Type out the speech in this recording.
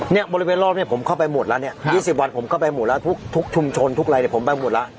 เนี่ยบริเวณรอบเนี่ยผมเข้าไปหมดแล้วเนี่ย๒๐วันผมเข้าไปหมดแล้วทุกชุมชนทุกอะไรเนี่ยผมไปหมดแล้ว